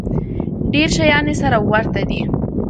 ډېر شیان یې سره ورته دي.